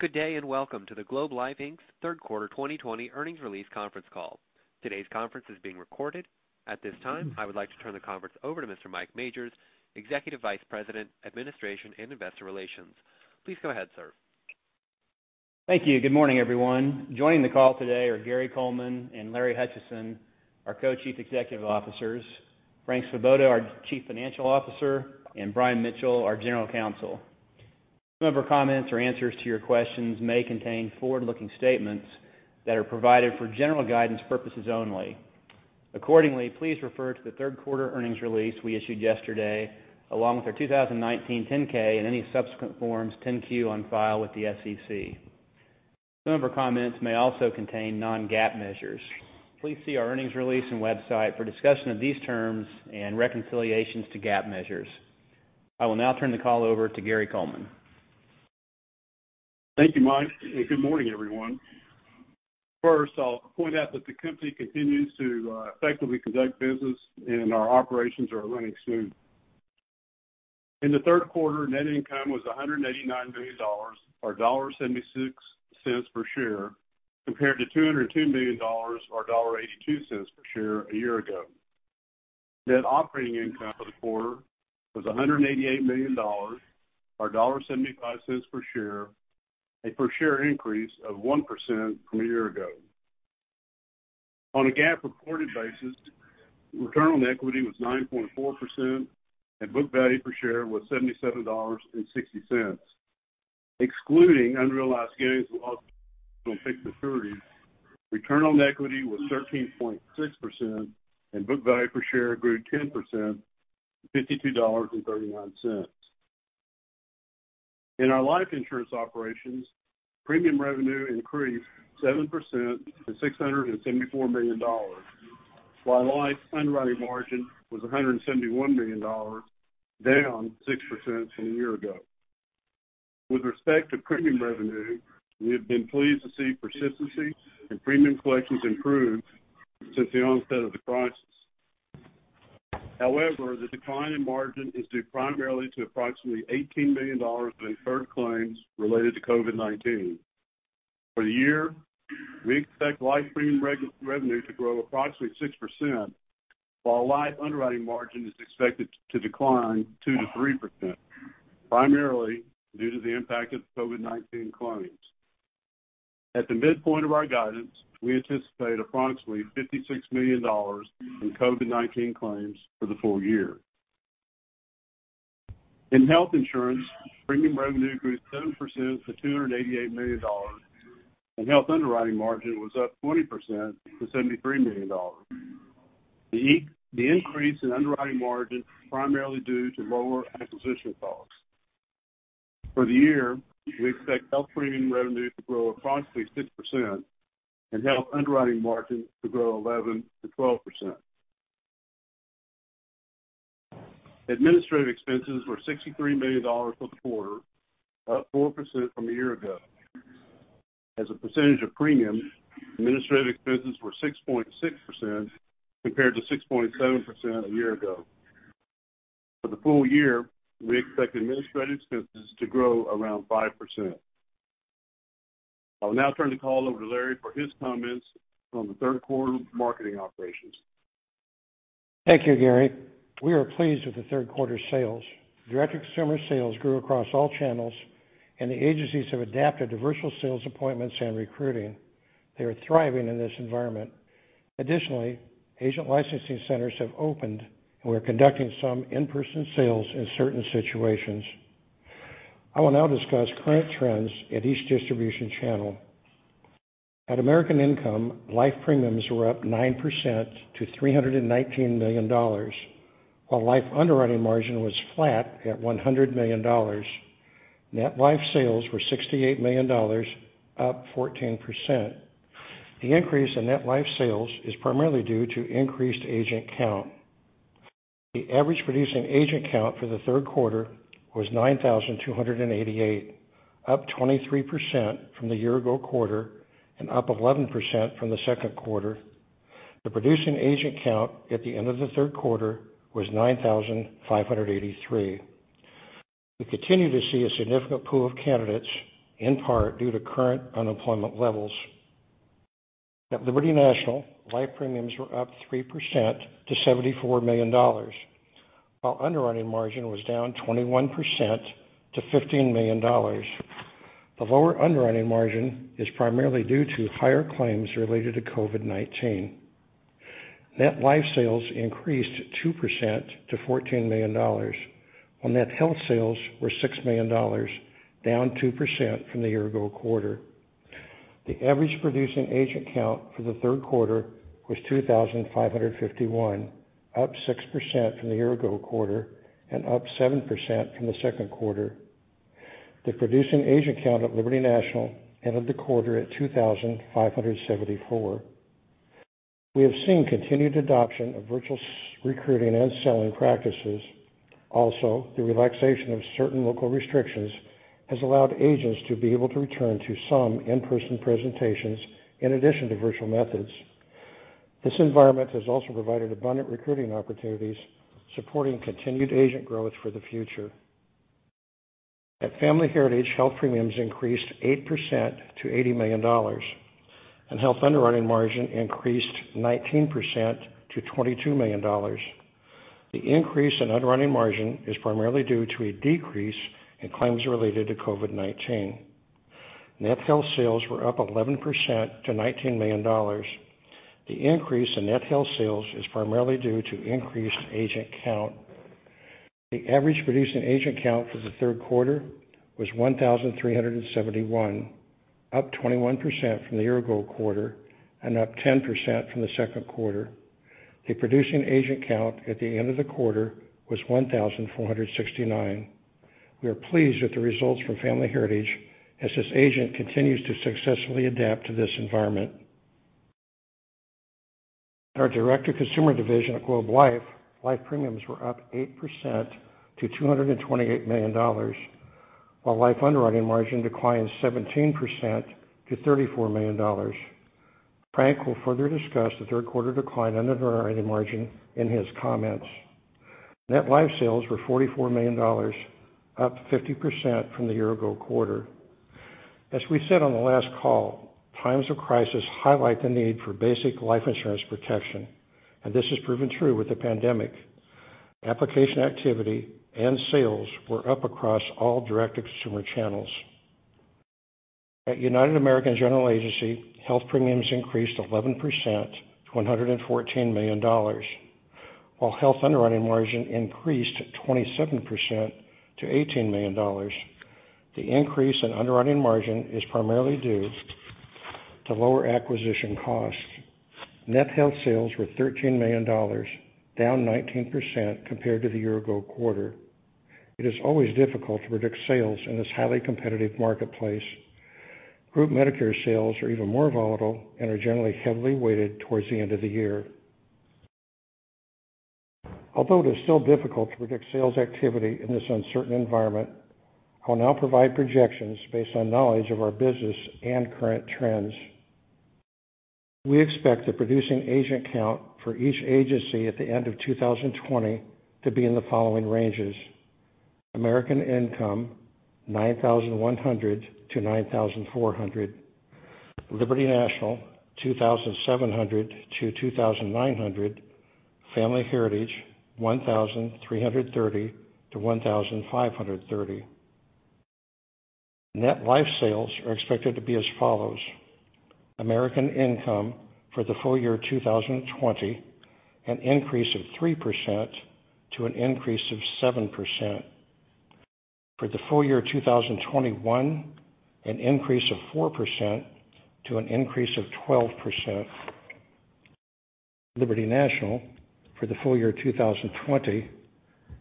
Good day, welcome to the Globe Life Inc.'s third quarter 2020 earnings release conference call. Today's conference is being recorded. At this time, I would like to turn the conference over to Mr. Mike Majors, Executive Vice President, Administration and Investor Relations. Please go ahead, sir. Thank you. Good morning, everyone. Joining the call today are Gary Coleman and Larry Hutchison, our Co-Chief Executive Officers, Frank Svoboda, our Chief Financial Officer, and Brian Mitchell, our General Counsel. Some of our comments or answers to your questions may contain forward-looking statements that are provided for general guidance purposes only. Accordingly, please refer to the third quarter earnings release we issued yesterday, along with our 2019 10-K and any subsequent forms 10-Q on file with the SEC. Some of our comments may also contain non-GAAP measures. Please see our earnings release and website for discussion of these terms and reconciliations to GAAP measures. I will now turn the call over to Gary Coleman. Thank you, Mike, and good morning, everyone. First, I'll point out that the company continues to effectively conduct business and our operations are running smooth. In the third quarter, net income was $189 million, or $1.76 per share, compared to $202 million or $1.82 per share a year ago. Net operating income for the quarter was $188 million or $1.75 per share, a per share increase of 1% from a year ago. On a GAAP reported basis, return on equity was 9.4% and book value per share was $77.60. Excluding unrealized gains and losses on fixed securities, return on equity was 13.6% and book value per share grew 10% to $52.39. In our life insurance operations, premium revenue increased 7% to $674 million, while life underwriting margin was $171 million, down 6% from a year ago. With respect to premium revenue, we have been pleased to see persistency and premium collections improve since the onset of the crisis. However, the decline in margin is due primarily to approximately $18 million in incurred claims related to COVID-19. For the year, we expect life premium revenue to grow approximately 6%, while life underwriting margin is expected to decline 2%-3%, primarily due to the impact of COVID-19 claims. At the midpoint of our guidance, we anticipate approximately $56 million in COVID-19 claims for the full year. In health insurance, premium revenue grew 7% to $288 million, and health underwriting margin was up 20% to $73 million. The increase in underwriting margin primarily due to lower acquisition costs. For the year, we expect health premium revenue to grow approximately 6% and health underwriting margin to grow 11%-12%. Administrative expenses were $63 million for the quarter, up 4% from a year ago. As a percentage of premium, administrative expenses were 6.6% compared to 6.7% a year ago. For the full year, we expect administrative expenses to grow around 5%. I will now turn the call over to Larry for his comments on the third quarter marketing operations. Thank you, Gary. We are pleased with the third quarter sales. Direct consumer sales grew across all channels, and the agencies have adapted to virtual sales appointments and recruiting. They are thriving in this environment. Additionally, agent licensing centers have opened, and we're conducting some in-person sales in certain situations. I will now discuss current trends at each distribution channel. At American Income, life premiums were up 9% to $319 million. While life underwriting margin was flat at $100 million. Net life sales were $68 million, up 14%. The increase in net life sales is primarily due to increased agent count. The average producing agent count for the third quarter was 9,288, up 23% from the year-ago quarter and up 11% from the second quarter. The producing agent count at the end of the third quarter was 9,583. We continue to see a significant pool of candidates, in part due to current unemployment levels. At Liberty National, life premiums were up 3% to $74 million, while underwriting margin was down 21% to $15 million. The lower underwriting margin is primarily due to higher claims related to COVID-19. Net life sales increased 2% to $14 million, while net health sales were $6 million, down 2% from the year ago quarter. The average producing agent count for the third quarter was 2,551, up 6% from the year ago quarter and up 7% from the second quarter. The producing agent count at Liberty National ended the quarter at 2,574. We have seen continued adoption of virtual recruiting and selling practices. Also, the relaxation of certain local restrictions has allowed agents to be able to return to some in-person presentations in addition to virtual methods. This environment has also provided abundant recruiting opportunities, supporting continued agent growth for the future. At Family Heritage, health premiums increased 8% to $80 million, and health underwriting margin increased 19% to $22 million. The increase in underwriting margin is primarily due to a decrease in claims related to COVID-19. Net health sales were up 11% to $19 million. The increase in net health sales is primarily due to increased agent count. The average producing agent count for the third quarter was 1,371, up 21% from the year-ago quarter and up 10% from the second quarter. The producing agent count at the end of the quarter was 1,469. We are pleased with the results from Family Heritage as this agent continues to successfully adapt to this environment. At our direct-to-consumer division at Globe Life, life premiums were up 8% to $228 million, while life underwriting margin declined 17% to $34 million. Frank will further discuss the third quarter decline in underwriting margin in his comments. Net life sales were $44 million, up 50% from the year-ago quarter. As we said on the last call, times of crisis highlight the need for basic life insurance protection, and this has proven true with the pandemic. Application activity and sales were up across all direct-to-consumer channels. At United American General Agency, health premiums increased 11% to $114 million, while health underwriting margin increased 27% to $18 million. The increase in underwriting margin is primarily due to lower acquisition costs. Net health sales were $13 million, down 19% compared to the year-ago quarter. It is always difficult to predict sales in this highly competitive marketplace. Group Medicare sales are even more volatile and are generally heavily weighted towards the end of the year. Although it is still difficult to predict sales activity in this uncertain environment, I will now provide projections based on knowledge of our business and current trends. We expect the producing agent count for each agency at the end of 2020 to be in the following ranges: American Income, 9,100-9,400; Liberty National, 2,700-2,900; Family Heritage, 1,330-1,530. Net life sales are expected to be as follows: American Income, for the full year 2020, an increase of 3%-7%. For the full year 2021, an increase of 4%-12%. Liberty National, for the full year 2020,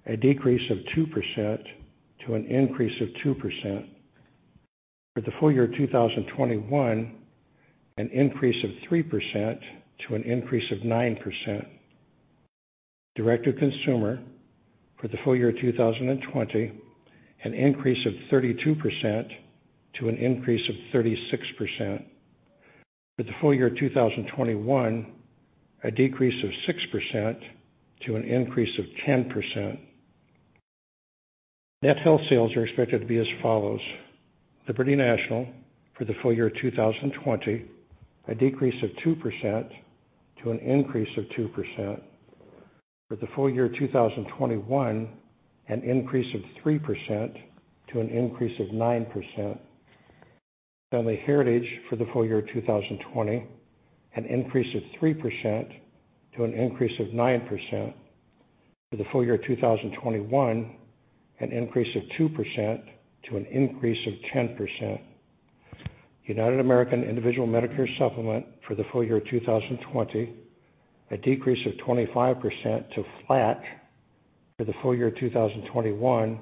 a decrease of 2% to an increase of 2%. For the full year 2021, an increase of 3%-9%. Direct-to-consumer, for the full year 2020, an increase of 32%-36%. For the full year 2021, a decrease of 6% to an increase of 10%. Net health sales are expected to be as follows: Liberty National, for the full year 2020, a decrease of 2% to an increase of 2%. For the full year 2021, an increase of 3%-9%. Family Heritage, for the full year 2020, an increase of 3%-9%. For the full year 2021, an increase of 2%-10%. United American Individual Medicare Supplement, for the full year 2020, a decrease of 25% to flat. For the full year 2021,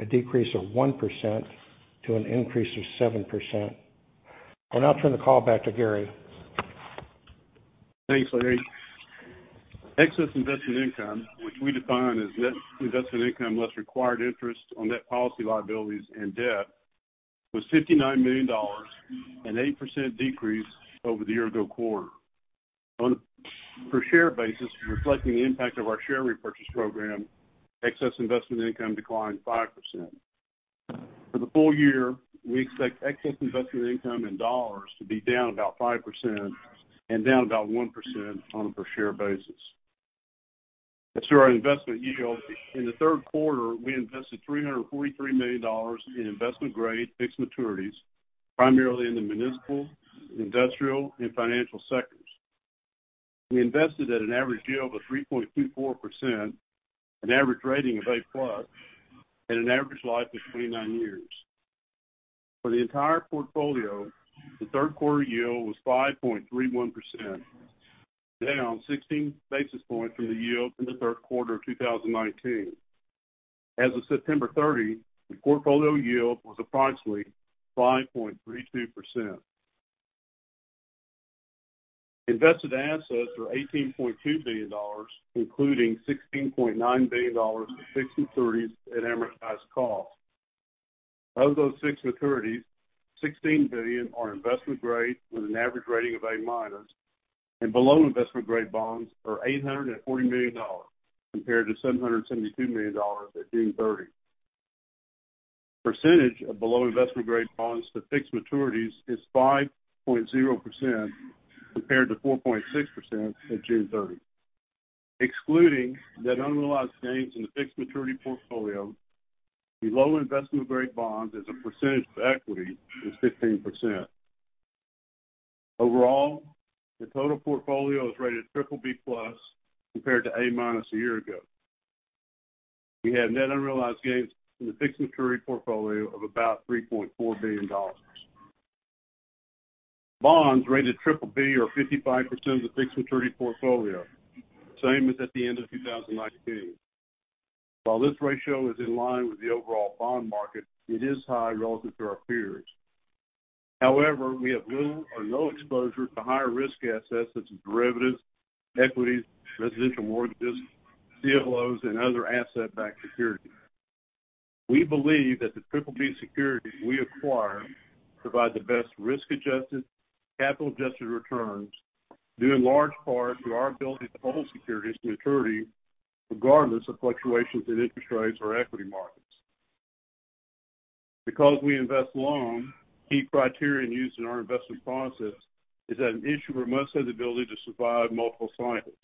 a decrease of 1% to an increase of 7%. I'll now turn the call back to Gary. Thanks, Larry. Excess investment income, which we define as net investment income less required interest on net policy liabilities and debt, was $59 million, an 8% decrease over the year-ago quarter. On a per share basis, reflecting the impact of our share repurchase program, excess investment income declined 5%. For the full year, we expect excess investment income in dollars to be down about 5% and down about 1% on a per share basis. As to our investment yield, in the third quarter, we invested $343 million in investment-grade fixed maturities, primarily in the municipal, industrial, and financial sectors. We invested at an average yield of 3.24%, an average rating of A plus, and an average life of 29 years. For the entire portfolio, the third quarter yield was 5.31%, down 16 basis points from the yield in the third quarter of 2019. As of September 30, the portfolio yield was approximately 5.32%. Invested assets were $18.2 billion, including $16.9 billion of fixed maturities at amortized cost. Of those six maturities, $16 billion are investment grade with an average rating of A-minus. Below investment grade bonds are $840 million compared to $772 million at June 30. Percentage of below investment grade bonds to fixed maturities is 5.0% compared to 4.6% at June 30. Excluding the net unrealized gains in the fixed maturity portfolio, below investment grade bonds as a percentage of equity is 15%. Overall, the total portfolio is rated BBB plus compared to A-minus a year ago. We had net unrealized gains in the fixed maturity portfolio of about $3.4 billion. Bonds rated BBB are 55% of the fixed maturity portfolio, same as at the end of 2019. While this ratio is in line with the overall bond market, it is high relative to our peers. However, we have little or no exposure to higher risk assets such as derivatives, equities, residential mortgages, CLOs, and other asset-backed securities. We believe that the BBB securities we acquire provide the best risk-adjusted, capital-adjusted returns, due in large part to our ability to hold securities to maturity regardless of fluctuations in interest rates or equity markets. Because we invest long, key criterion used in our investment process is that an issuer must have the ability to survive multiple cycles.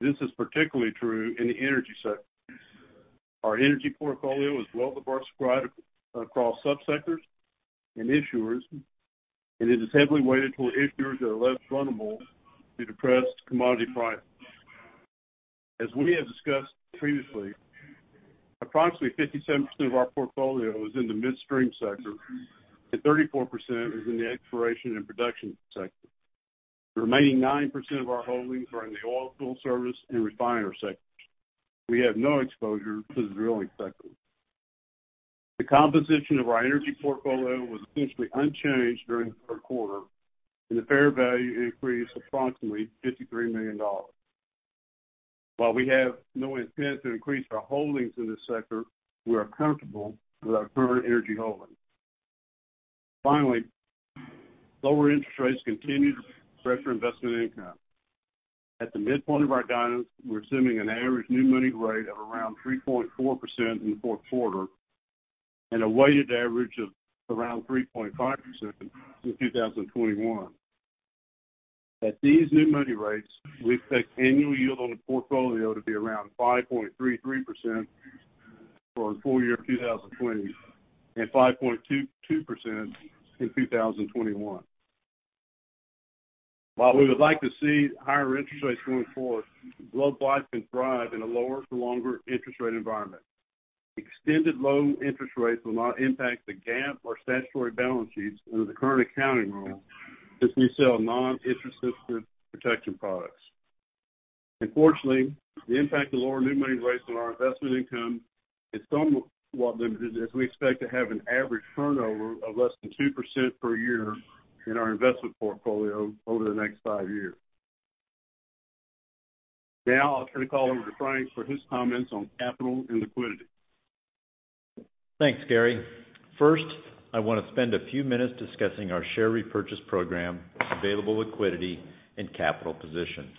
This is particularly true in the energy sector. Our energy portfolio is well-diversified across sub-sectors and issuers, and it is heavily weighted toward issuers that are less vulnerable to depressed commodity prices. As we have discussed previously, approximately 57% of our portfolio is in the midstream sector, and 34% is in the exploration and production sector. The remaining 9% of our holdings are in the oil field service and refiner sectors. We have no exposure to the drilling sector. The composition of our energy portfolio was essentially unchanged during the third quarter, and the fair value increased approximately $53 million. While we have no intent to increase our holdings in this sector, we are comfortable with our current energy holdings. Finally, lower interest rates continue to pressure investment income. At the midpoint of our guidance, we're assuming an average new money rate of around 3.4% in the fourth quarter and a weighted average of around 3.5% in 2021. At these new money rates, we expect annual yield on the portfolio to be around 5.33% for the full year 2020, and 5.22% in 2021. While we would like to see higher interest rates going forward, Globe Life can thrive in a lower-for-longer interest rate environment. Extended low interest rates will not impact the GAAP or statutory balance sheets under the current accounting rule since we sell non-interest sensitive protection products. Unfortunately, the impact of lower new money rates on our investment income is somewhat limited as we expect to have an average turnover of less than 2% per year in our investment portfolio over the next five years. I'll turn the call over to Frank for his comments on capital and liquidity. Thanks, Gary. First, I want to spend a few minutes discussing our share repurchase program, available liquidity, and capital position.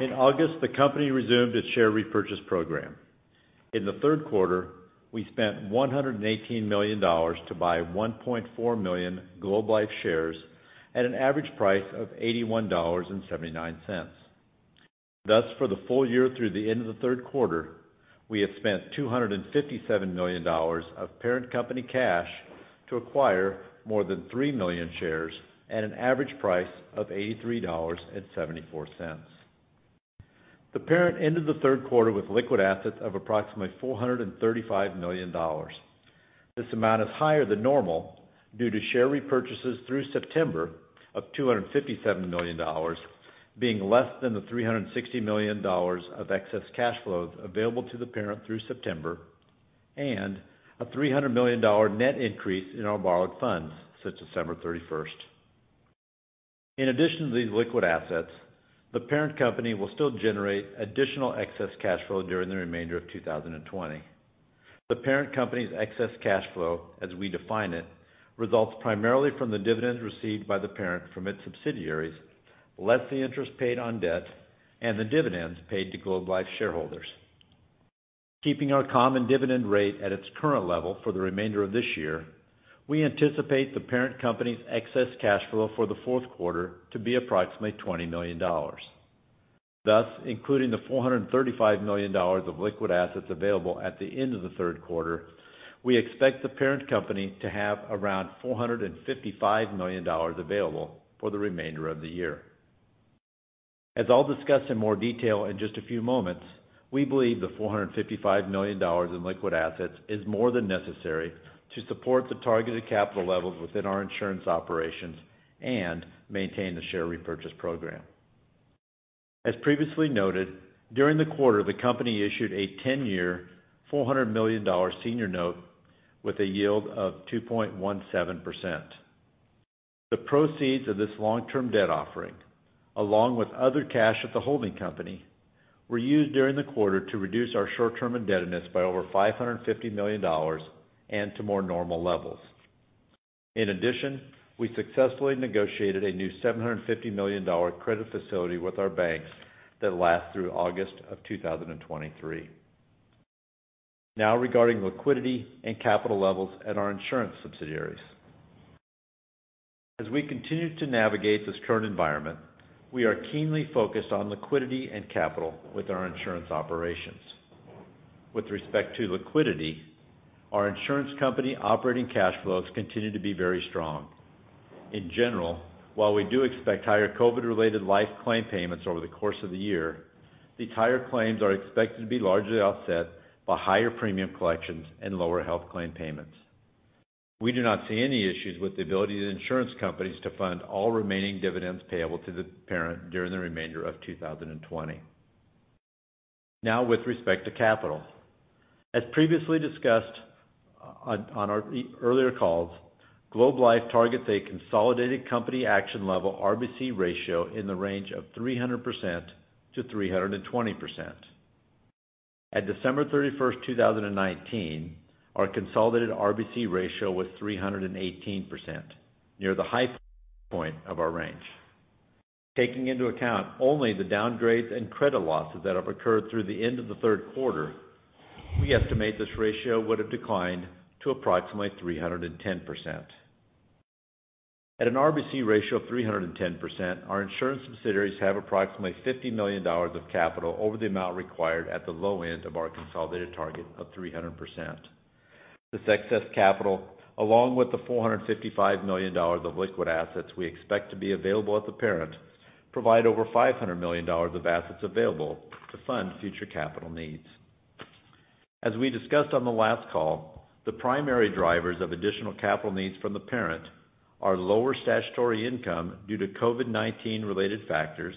In August, the company resumed its share repurchase program. In the third quarter, we spent $118 million to buy 1.4 million Globe Life shares at an average price of $81.79. For the full year through the end of the third quarter, we have spent $257 million of parent company cash to acquire more than 3 million shares at an average price of $83.74. The parent ended the third quarter with liquid assets of approximately $435 million. This amount is higher than normal due to share repurchases through September of $257 million, being less than the $360 million of excess cash flows available to the parent through September, and a $300 million net increase in our borrowed funds since December 31st. In addition to these liquid assets, the parent company will still generate additional excess cash flow during the remainder of 2020. The parent company's excess cash flow, as we define it, results primarily from the dividends received by the parent from its subsidiaries, less the interest paid on debt and the dividends paid to Globe Life shareholders. Keeping our common dividend rate at its current level for the remainder of this year, we anticipate the parent company's excess cash flow for the fourth quarter to be approximately $20 million. Thus, including the $435 million of liquid assets available at the end of the third quarter, we expect the parent company to have around $455 million available for the remainder of the year. As I'll discuss in more detail in just a few moments, we believe the $455 million in liquid assets is more than necessary to support the targeted capital levels within our insurance operations and maintain the share repurchase program. As previously noted, during the quarter, the company issued a 10-year, $400 million senior note with a yield of 2.17%. The proceeds of this long-term debt offering, along with other cash at the holding company, were used during the quarter to reduce our short-term indebtedness by over $550 million and to more normal levels. In addition, we successfully negotiated a new $750 million credit facility with our banks that lasts through August of 2023. Now regarding liquidity and capital levels at our insurance subsidiaries. As we continue to navigate this current environment, we are keenly focused on liquidity and capital with our insurance operations. With respect to liquidity, our insurance company operating cash flows continue to be very strong. In general, while we do expect higher COVID-19-related life claim payments over the course of the year, these higher claims are expected to be largely offset by higher premium collections and lower health claim payments. We do not see any issues with the ability of the insurance companies to fund all remaining dividends payable to the parent during the remainder of 2020. Now with respect to capital. As previously discussed on our earlier calls, Globe Life targets a consolidated company action level RBC ratio in the range of 300%-320%. At December 31st, 2019, our consolidated RBC ratio was 318%, near the high point of our range. Taking into account only the downgrades and credit losses that have occurred through the end of the third quarter, we estimate this ratio would have declined to approximately 310%. At an RBC ratio of 310%, our insurance subsidiaries have approximately $50 million of capital over the amount required at the low end of our consolidated target of 300%. This excess capital, along with the $455 million of liquid assets we expect to be available at the parent, provide over $500 million of assets available to fund future capital needs. As we discussed on the last call, the primary drivers of additional capital needs from the parent are lower statutory income due to COVID-19-related factors,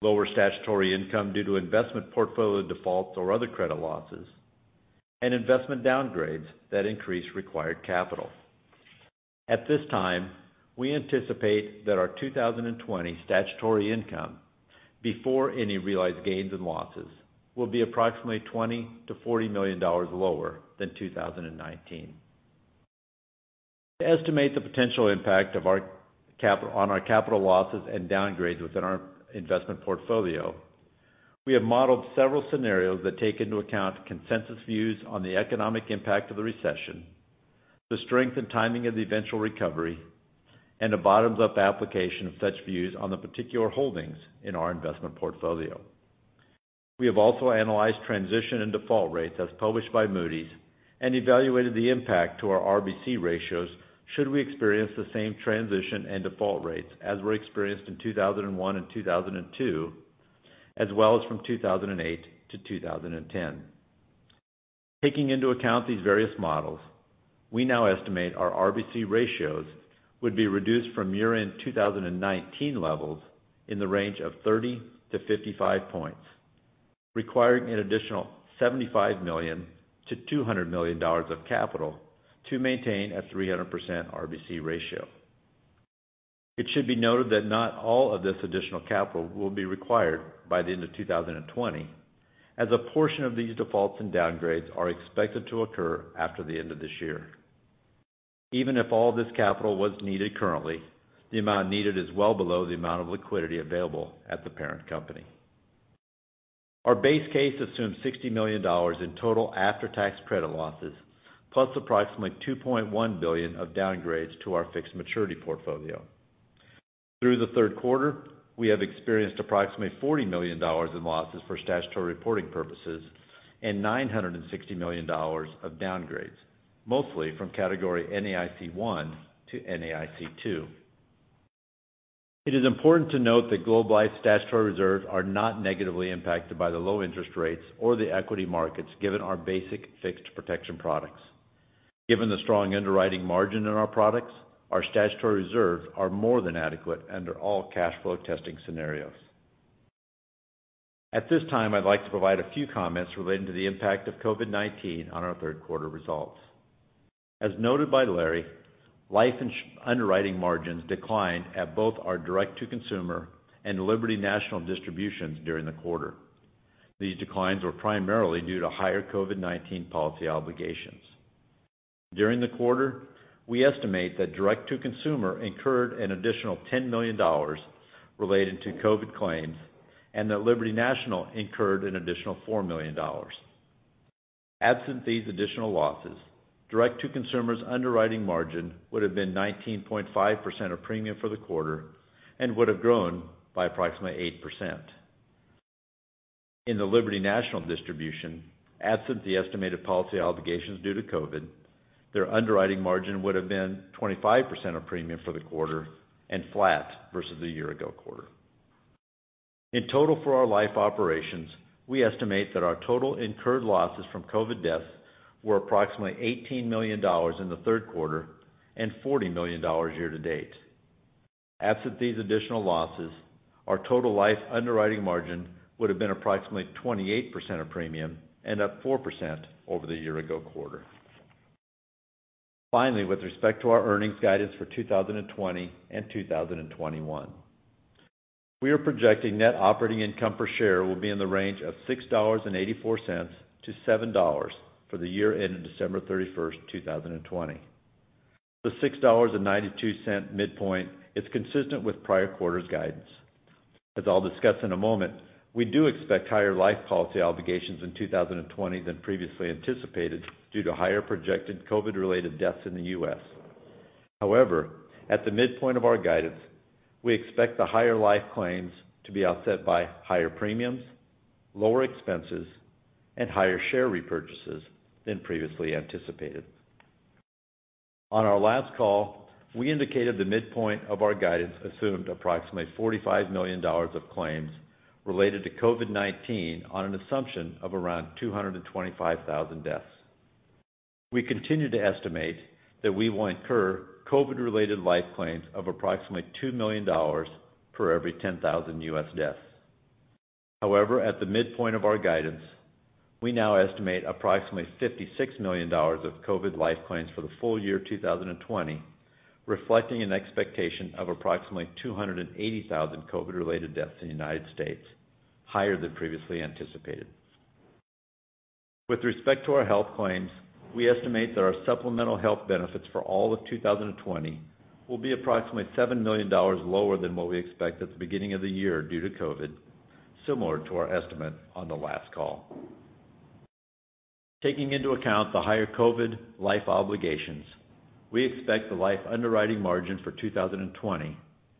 lower statutory income due to investment portfolio defaults or other credit losses, and investment downgrades that increase required capital. At this time, we anticipate that our 2020 statutory income, before any realized gains and losses, will be approximately $20 million-$40 million lower than 2019. To estimate the potential impact on our capital losses and downgrades within our investment portfolio, we have modeled several scenarios that take into account consensus views on the economic impact of the recession, the strength and timing of the eventual recovery, and a bottoms-up application of such views on the particular holdings in our investment portfolio. We have also analyzed transition and default rates as published by Moody's and evaluated the impact to our RBC ratios should we experience the same transition and default rates as were experienced in 2001 and 2002, as well as from 2008-2010. Taking into account these various models, we now estimate our RBC ratios would be reduced from year-end 2019 levels in the range of 30-55 points, requiring an additional $75 million-$200 million of capital to maintain a 300% RBC ratio. It should be noted that not all of this additional capital will be required by the end of 2020, as a portion of these defaults and downgrades are expected to occur after the end of this year. Even if all this capital was needed currently, the amount needed is well below the amount of liquidity available at the parent company. Our base case assumes $60 million in total after-tax credit losses, plus approximately $2.1 billion of downgrades to our fixed maturity portfolio. Through the third quarter, we have experienced approximately $40 million in losses for statutory reporting purposes and $960 million of downgrades, mostly from category NAIC-1 to NAIC-2. It is important to note that Globe Life statutory reserves are not negatively impacted by the low interest rates or the equity markets given our basic fixed protection products. Given the strong underwriting margin in our products, our statutory reserves are more than adequate under all cash flow testing scenarios. At this time, I'd like to provide a few comments relating to the impact of COVID-19 on our third quarter results. As noted by Larry, life underwriting margins declined at both our direct-to-consumer and Liberty National distributions during the quarter. These declines were primarily due to higher COVID-19 policy obligations. During the quarter, we estimate that direct-to-consumer incurred an additional $10 million related to COVID-19 claims and that Liberty National incurred an additional $4 million. Absent these additional losses, direct-to-consumer's underwriting margin would have been 19.5% of premium for the quarter and would have grown by approximately 8%. In the Liberty National distribution, absent the estimated policy obligations due to COVID-19, their underwriting margin would have been 25% of premium for the quarter and flat versus the year ago quarter. In total for our life operations, we estimate that our total incurred losses from COVID-19 deaths were approximately $18 million in the third quarter and $40 million year to date. Absent these additional losses, our total life underwriting margin would have been approximately 28% of premium and up 4% over the year ago quarter. Finally, with respect to our earnings guidance for 2020 and 2021, we are projecting net operating income per share will be in the range of $6.84-$7 for the year ending December 31st, 2020. The $6.92 midpoint is consistent with prior quarter's guidance. As I'll discuss in a moment, we do expect higher life policy obligations in 2020 than previously anticipated due to higher projected COVID-related deaths in the U.S. However, at the midpoint of our guidance, we expect the higher life claims to be offset by higher premiums, lower expenses, and higher share repurchases than previously anticipated. On our last call, we indicated the midpoint of our guidance assumed approximately $45 million of claims related to COVID-19 on an assumption of around 225,000 deaths. We continue to estimate that we will incur COVID-related life claims of approximately $2 million for every 10,000 U.S. deaths. However, at the midpoint of our guidance, we now estimate approximately $56 million of COVID life claims for the full year 2020, reflecting an expectation of approximately 280,000 COVID related deaths in the U.S., higher than previously anticipated. With respect to our health claims, we estimate that our supplemental health benefits for all of 2020 will be approximately $7 million lower than what we expected at the beginning of the year due to COVID, similar to our estimate on the last call. Taking into account the higher COVID life obligations, we expect the life underwriting margin for 2020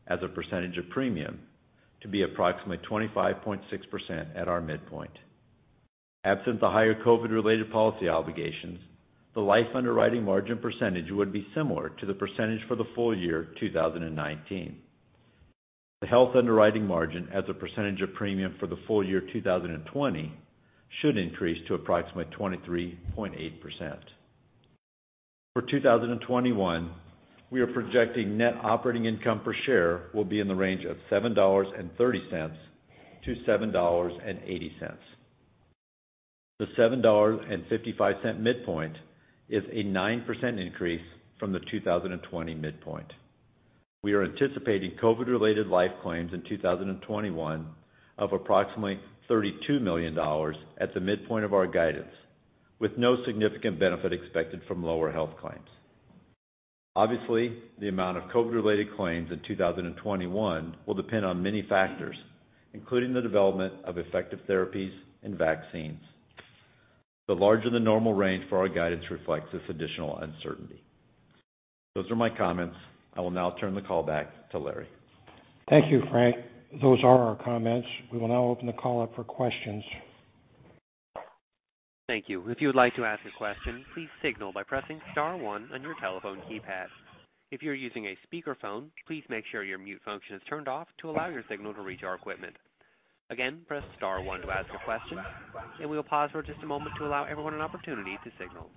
as a percentage of premium to be approximately 25.6% at our midpoint. Absent the higher COVID related policy obligations, the life underwriting margin percentage would be similar to the percentage for the full year 2019. The health underwriting margin as a percentage of premium for the full year 2020 should increase to approximately 23.8%. For 2021, we are projecting net operating income per share will be in the range of $7.30-$7.80. The $7.55 midpoint is a 9% increase from the 2020 midpoint. We are anticipating COVID related life claims in 2021 of approximately $32 million at the midpoint of our guidance, with no significant benefit expected from lower health claims. Obviously, the amount of COVID related claims in 2021 will depend on many factors, including the development of effective therapies and vaccines. The larger than normal range for our guidance reflects this additional uncertainty. Those are my comments. I will now turn the call back to Larry. Thank you, Frank. Those are our comments. We will now open the call up for questions. Thank you. If you would like to ask a question, please signal by pressing star one on your telephone keypad. If you're using a speakerphone, please make sure your mute function is turned off to allow your signal to reach our equipment. Again, press star one to ask a question, and we will pause for just a moment to allow everyone an opportunity to signal.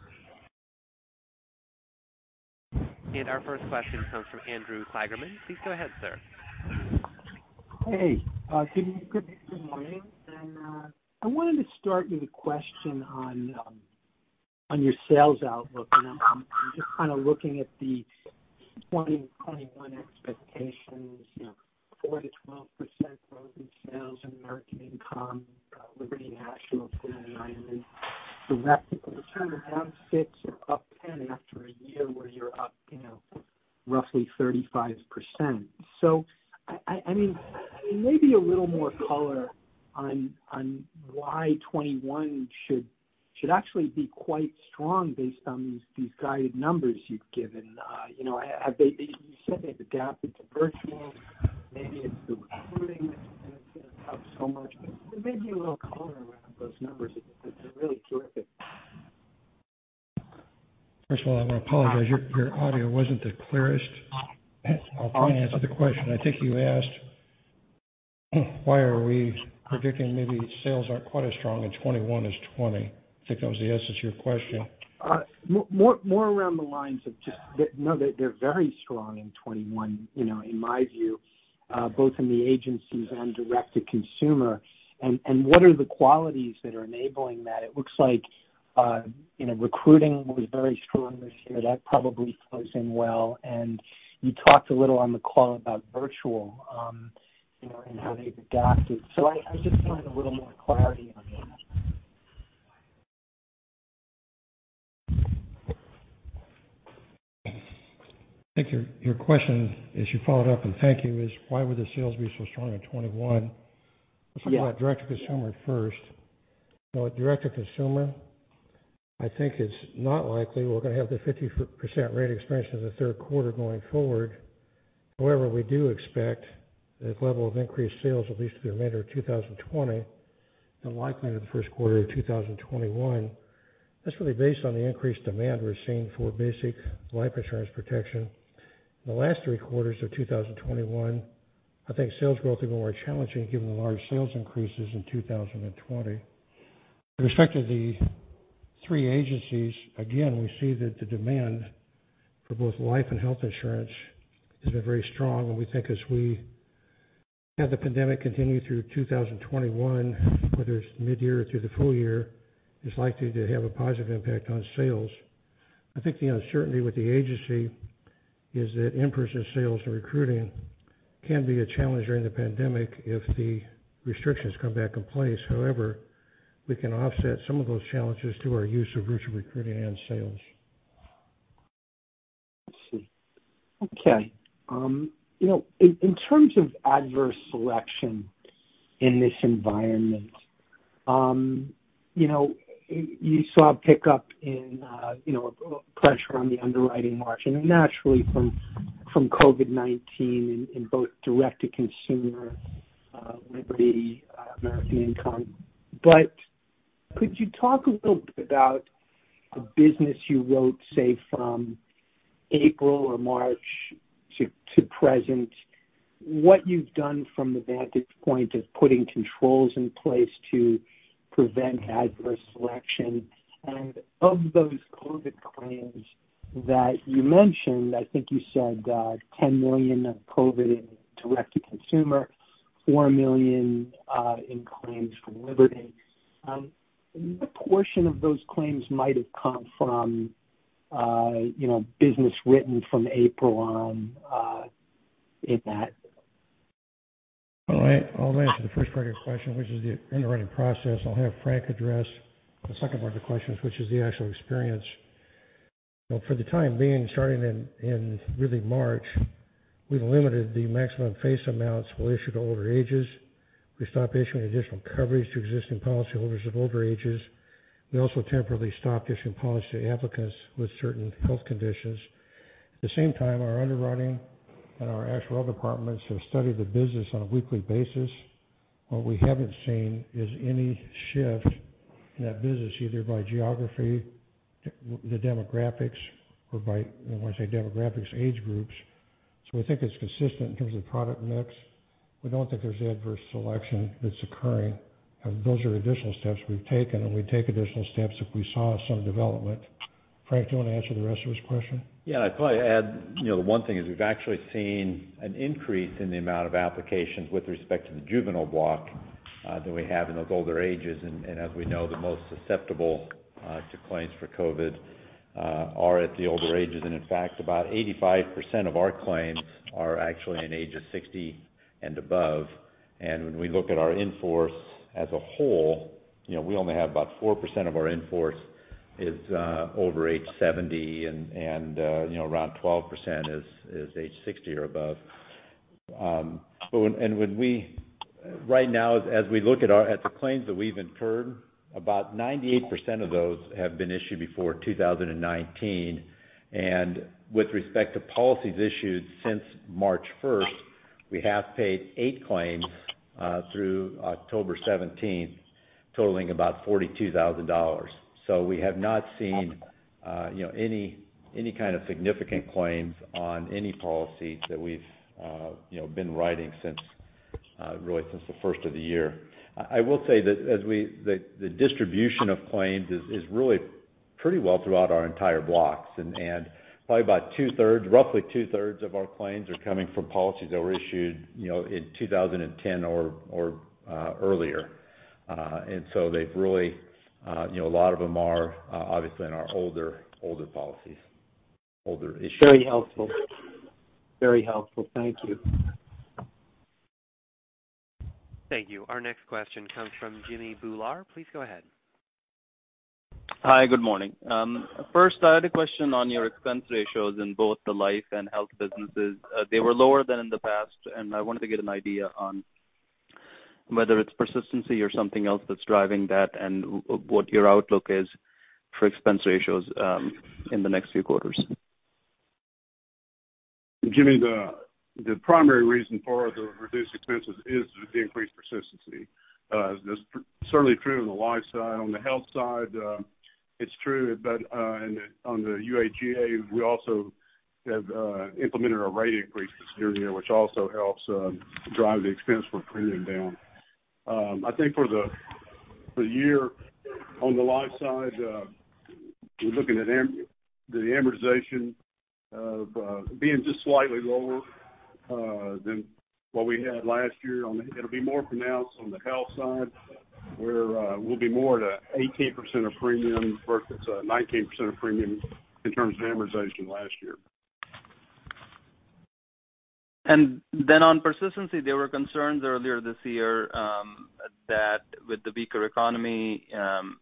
Our first question comes from Andrew Kligerman. Please go ahead, sir. Hey, good morning. I wanted to start with a question on your sales outlook. I'm just kind of looking at the 2021 expectations, 4%-12% growth in sales and American Income, Liberty National [has been in alignment]. That's kind of down six or up 10 after a year where you're up roughly 35%. Maybe a little more color on why 2021 should actually be quite strong based on these guided numbers you've given. You said they've adapted to virtual. Maybe it's the recruiting that's been up so much, but maybe a little color around those numbers. They're really terrific. First of all, I want to apologize. Your audio wasn't the clearest. I'll try and answer the question. I think you asked why are we predicting maybe sales aren't quite as strong in 2021 as 2020. I think that was the essence of your question. More around the lines of just that they're very strong in 2021, in my view, both in the agencies and direct-to-consumer. What are the qualities that are enabling that? It looks like recruiting was very strong this year. That probably plays in well. You talked a little on the call about virtual, and how they've adapted. I just wanted a little more clarity on that. I think your question as you followed up, and thank you, is why would the sales be so strong in 2021? Yeah. Let's talk about direct-to-consumer first. Direct-to-consumer, I think it's not likely we're going to have the 50% rate expansion in the third quarter going forward. We do expect this level of increased sales at least through the end of 2020, and likely into the first quarter of 2021. That's really based on the increased demand we're seeing for basic life insurance protection. In the last three quarters of 2021, I think sales growth is going to be more challenging given the large sales increases in 2020. With respect to the three agencies, again, we see that the demand for both life and health insurance has been very strong. We think as we have the pandemic continue through 2021, whether it's mid-year or through the full year, it's likely to have a positive impact on sales. I think the uncertainty with the agency is that in-person sales and recruiting can be a challenge during the pandemic if the restrictions come back in place. However, we can offset some of those challenges through our use of virtual recruiting and sales. Let's see. Okay. In terms of adverse selection in this environment, you saw a pickup in pressure on the underwriting margin, and naturally from COVID-19 in both direct-to-consumer Liberty American Income. Could you talk a little bit about the business you wrote, say, from April or March to present, what you've done from the vantage point of putting controls in place to prevent adverse selection? Of those COVID claims that you mentioned, I think you said $10 million of COVID in direct-to-consumer, $4 million in claims from Liberty. What portion of those claims might have come from business written from April on in that? I'll answer the first part of your question, which is the underwriting process. I'll have Frank address the second part of the questions, which is the actual experience. For the time being, starting in really March, we've limited the maximum face amounts we'll issue to older ages. We stopped issuing additional coverage to existing policyholders of older ages. We also temporarily stopped issuing policy to applicants with certain health conditions. At the same time, our underwriting and our actuarial departments have studied the business on a weekly basis. What we haven't seen is any shift in that business, either by geography, the demographics, or by, when I say demographics, age groups. We think it's consistent in terms of product mix. We don't think there's adverse selection that's occurring. Those are additional steps we've taken, and we'd take additional steps if we saw some development. Frank, do you want to answer the rest of this question? Yeah, I'd probably add, the one thing is we've actually seen an increase in the amount of applications with respect to the juvenile block that we have in those older ages. As we know, the most susceptible to claims for COVID-19 are at the older ages. In fact, about 85% of our claims are actually in age of 60 and above. When we look at our in-force as a whole, we only have about 4% of our in-force is over age 70, and around 12% is age 60 or above. Right now, as we look at the claims that we've incurred, about 98% of those have been issued before 2019. With respect to policies issued since March 1st, we have paid eight claims through October 17th, totaling about $42,000. We have not seen any kind of significant claims on any policy that we've been writing since, really since the first of the year. I will say that the distribution of claims is really pretty well throughout our entire blocks. Probably about 2/3, roughly 2/3 of our claims are coming from policies that were issued in 2010 or earlier. A lot of them are obviously in our older policies, older issues. Very helpful. Thank you. Thank you. Our next question comes from Jimmy Bhullar. Please go ahead. Hi, good morning. First, I had a question on your expense ratios in both the life and health businesses. They were lower than in the past, and I wanted to get an idea on whether it's persistency or something else that's driving that and what your outlook is for expense ratios in the next few quarters. Jimmy, the primary reason for the reduced expenses is the increased persistency. That's certainly true on the life side. On the health side, it's true, but on the UAGA, we also have implemented a rate increase this year, which also helps drive the expense for premium down. I think for the year on the life side, we're looking at the amortization of being just slightly lower than what we had last year. It'll be more pronounced on the health side, where we'll be more at 18% of premium versus 19% of premium in terms of amortization last year. On persistency, there were concerns earlier this year that with the weaker economy,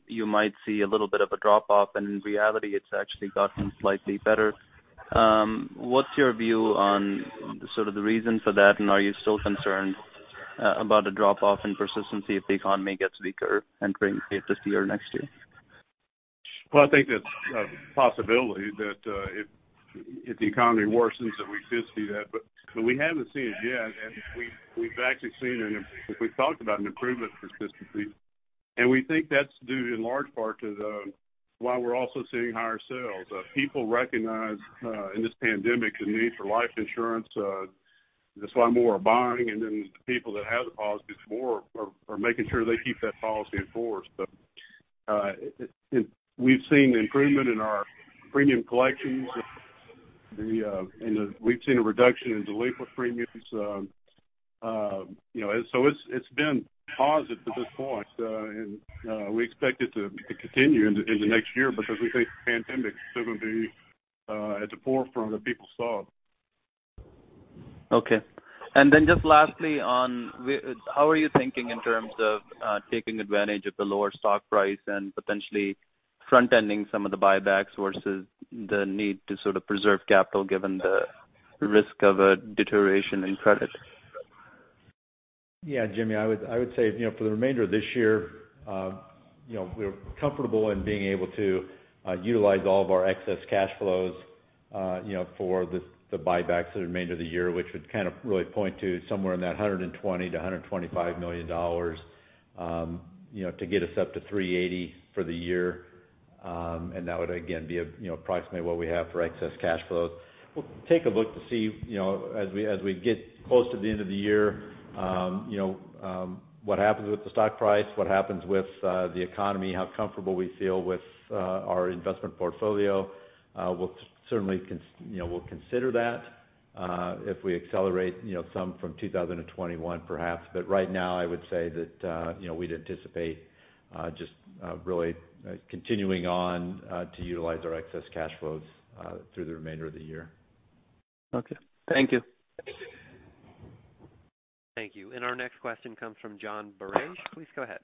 you might see a little bit of a drop-off. In reality, it's actually gotten slightly better. What's your view on sort of the reason for that, and are you still concerned about a drop-off in persistency if the economy gets weaker entering, say, this year or next year? Well, I think that's a possibility that if the economy worsens, that we could see that. We haven't seen it yet, and we've actually seen, as we've talked about, an improvement in persistency. While we're also seeing higher sales. People recognize, in this pandemic, the need for life insurance. That's why more are buying, and then the people that have the policies more are making sure they keep that policy enforced. We've seen improvement in our premium collections. We've seen a reduction in delinquent premiums. It's been positive to this point, and we expect it to continue into the next year because we think the pandemic still will be at the forefront of people's thoughts. Okay. Just lastly on, how are you thinking in terms of taking advantage of the lower stock price and potentially front-ending some of the buybacks versus the need to sort of preserve capital given the risk of a deterioration in credit? Yeah, Jimmy, I would say, for the remainder of this year, we're comfortable in being able to utilize all of our excess cash flows for the buybacks for the remainder of the year, which would kind of really point to somewhere in that $120 million-$125 million, to get us up to $380 for the year. That would again be approximately what we have for excess cash flows. We'll take a look to see, as we get close to the end of the year, what happens with the stock price, what happens with the economy, how comfortable we feel with our investment portfolio. We'll consider that if we accelerate some from 2021 perhaps. Right now, I would say that we'd anticipate just really continuing on to utilize our excess cash flows through the remainder of the year. Okay. Thank you. Thank you. Our next question comes from John Barnidge. Please go ahead.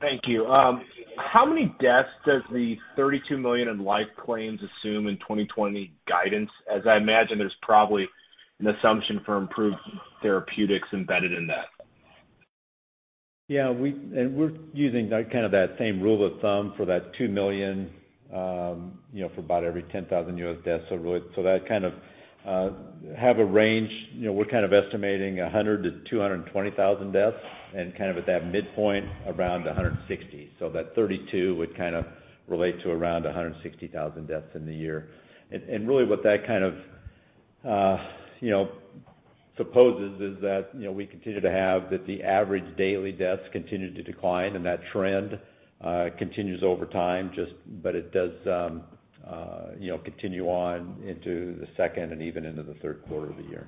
Thank you. How many deaths does the $32 million in life claims assume in 2020 guidance? I imagine, there's probably an assumption for improved therapeutics embedded in that. Yeah. We're using kind of that same rule of thumb for that 2 million, for about every 10,000 U.S. deaths. That kind of have a range. We're kind of estimating 100,000-220,000 deaths, and kind of at that midpoint around 160. That 32 would kind of relate to around 160,000 deaths in the year. Really what that kind of supposes is that, we continue to have that the average daily deaths continue to decline and that trend continues over time, but it does continue on into the second and even into the third quarter of the year.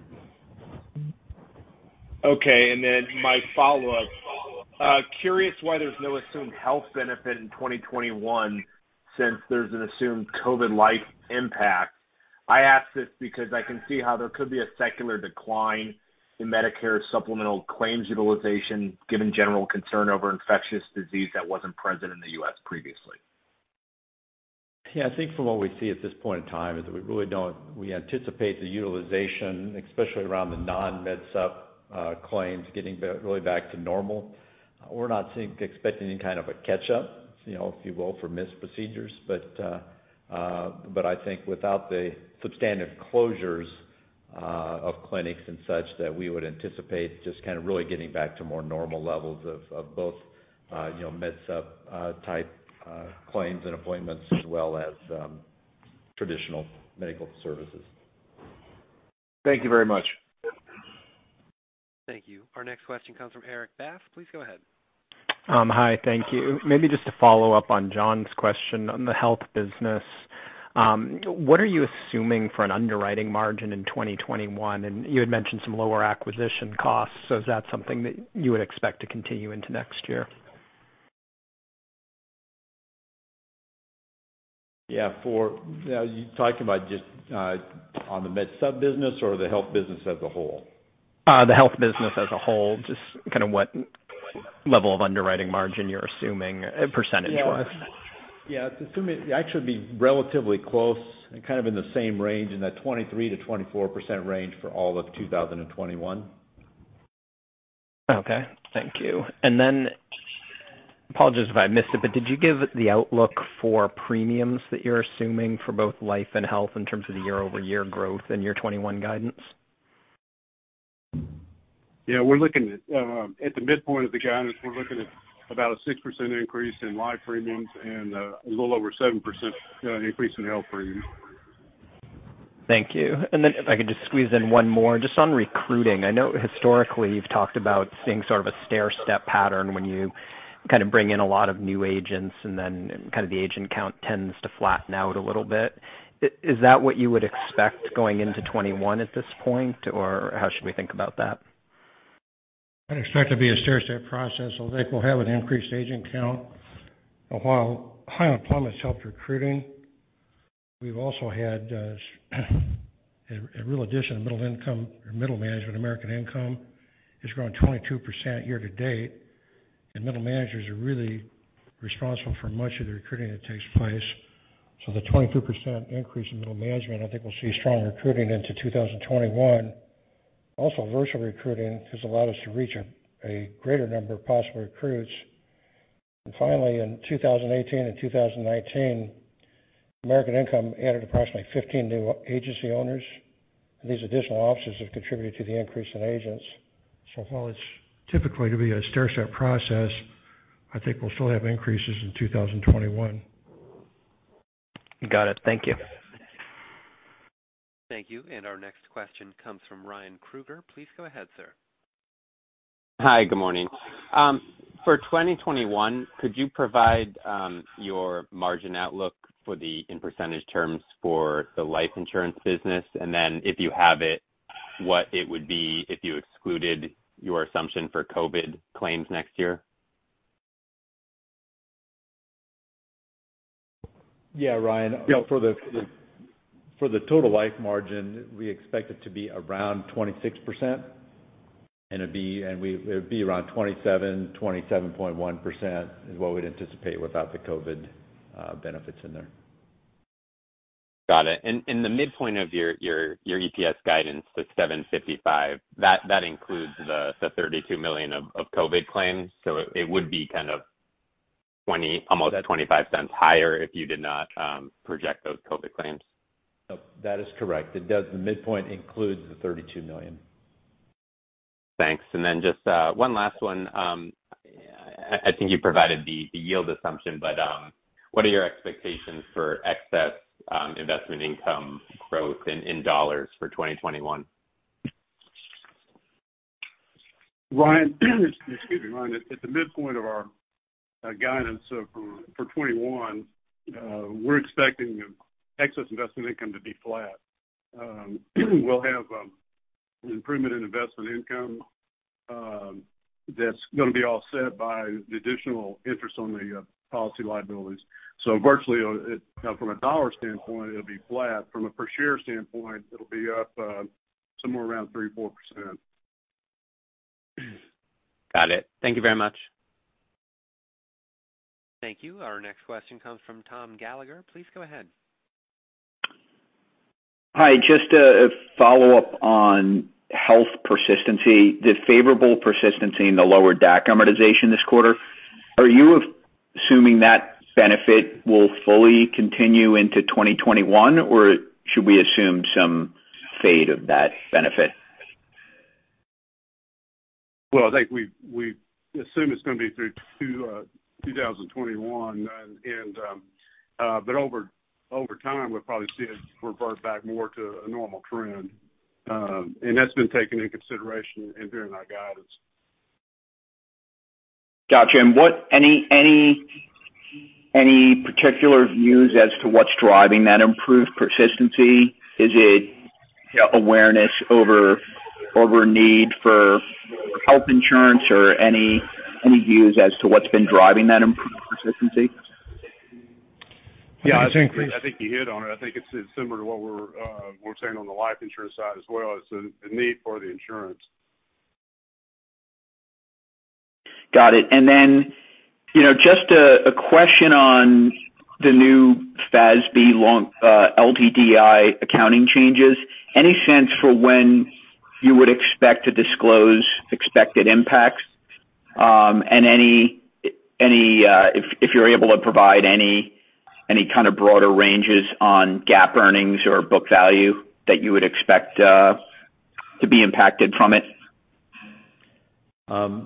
My follow-up. Curious why there's no assumed health benefit in 2021 since there's an assumed COVID-19 life impact. I ask this because I can see how there could be a secular decline in Medicare Supplement claims utilization, given general concern over infectious disease that wasn't present in the U.S. previously. Yeah, I think from what we see at this point in time is that we anticipate the utilization, especially around the non-MedSup claims, getting really back to normal. We're not expecting any kind of a catch-up, if you will, for missed procedures, but I think without the substantive closures of clinics and such, that we would anticipate just kind of really getting back to more normal levels of both MedSup type claims and appointments as well as traditional medical services. Thank you very much. Thank you. Our next question comes from Erik Bass. Please go ahead. Hi. Thank you. Maybe just to follow up on John's question on the health business. What are you assuming for an underwriting margin in 2021? You had mentioned some lower acquisition costs, so is that something that you would expect to continue into next year? Yeah. Are you talking about just on the MedSup business or the health business as a whole? The health business as a whole, just kind of what level of underwriting margin you're assuming percentage-wise? It'd actually be relatively close and kind of in the same range, in that 23%-24% range for all of 2021. Okay. Thank you. Apologies if I missed it, did you give the outlook for premiums that you're assuming for both life and health in terms of the year-over-year growth in your 2021 guidance? At the midpoint of the guidance, we're looking at about a 6% increase in life premiums and a little over 7% increase in health premiums. Thank you. If I could just squeeze in one more, just on recruiting. I know historically you've talked about seeing sort of a stairstep pattern when you kind of bring in a lot of new agents and then kind of the agent count tends to flatten out a little bit. Is that what you would expect going into 2021 at this point, or how should we think about that? I'd expect it to be a stairstep process, so I think we'll have an increased agent count. While high unemployment's helped recruiting, we've also had a real addition of middle management American Income. It's grown 22% year to date, and middle managers are really responsible for much of the recruiting that takes place. The 22% increase in middle management, I think we'll see stronger recruiting into 2021. Also, virtual recruiting has allowed us to reach a greater number of possible recruits. Finally, in 2018 and 2019 American Income added approximately 15 new agency owners, and these additional offices have contributed to the increase in agents. While it's typically to be a stair-step process, I think we'll still have increases in 2021. Got it. Thank you. Thank you. Our next question comes from Ryan Krueger. Please go ahead, sir. Hi. Good morning. For 2021, could you provide your margin outlook in percentage terms for the life insurance business? If you have it, what it would be if you excluded your assumption for COVID claims next year? Yeah, Ryan, for the total life margin, we expect it to be around 26%, and it would be around 27%, 27.1% is what we'd anticipate without the COVID benefits in there. Got it. In the midpoint of your EPS guidance, the 755, that includes the $32 million of COVID claims. It would be kind of almost $0.25 higher if you did not project those COVID claims. That is correct. The midpoint includes the $32 million. Thanks. Just one last one. I think you provided the yield assumption, what are your expectations for excess investment income growth in dollars for 2021? Ryan, excuse me. Ryan, at the midpoint of our guidance, for 2021, we're expecting excess investment income to be flat. We'll have an improvement in investment income that's going to be offset by the additional interest on the policy liabilities. Virtually, from a dollar standpoint, it'll be flat. From a per share standpoint, it'll be up somewhere around 3%-4%. Got it. Thank you very much. Thank you. Our next question comes from Tom Gallagher. Please go ahead. Hi. Just a follow-up on health persistency, the favorable persistency and the lower DAC amortization this quarter. Are you assuming that benefit will fully continue into 2021, or should we assume some fade of that benefit? I think we assume it's going to be through 2021. Over time, we'll probably see it revert back more to a normal trend. That's been taken into consideration during our guidance. Got you. Any particular views as to what's driving that improved persistency? Is it awareness over need for health insurance or any views as to what's been driving that improved persistency? Yeah, I think you hit on it. I think it's similar to what we're saying on the life insurance side as well. It's the need for the insurance. Got it. Then just a question on the new FASB LTDI accounting changes. Any sense for when you would expect to disclose expected impacts? If you're able to provide any kind of broader ranges on GAAP earnings or book value that you would expect to be impacted from it? Yeah,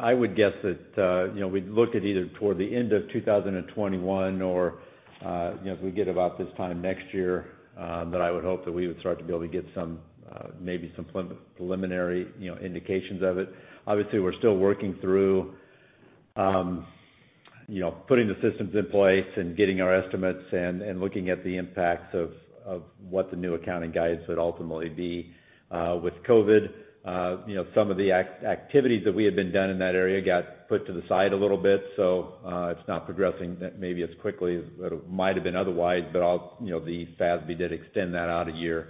I would guess that we'd look at either toward the end of 2021 or as we get about this time next year, that I would hope that we would start to be able to get maybe some preliminary indications of it. Obviously, we're still working through putting the systems in place and getting our estimates and looking at the impacts of what the new accounting guidance would ultimately be. With COVID, some of the activities that we had been done in that area got put to the side a little bit, so it's not progressing maybe as quickly as it might've been otherwise. The FASB did extend that out a year.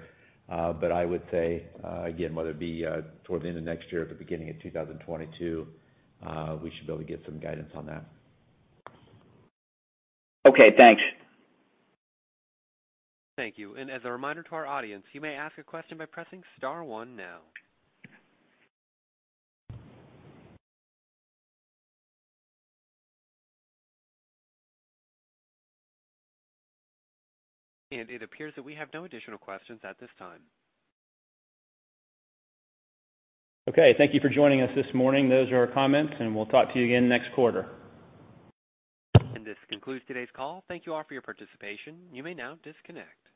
I would say, again, whether it be towards the end of next year or the beginning of 2022, we should be able to get some guidance on that. Okay, thanks. Thank you. As a reminder to our audience, you may ask a question by pressing star one now. It appears that we have no additional questions at this time. Okay, thank you for joining us this morning. Those are our comments. We'll talk to you again next quarter. This concludes today's call. Thank you all for your participation. You may now disconnect.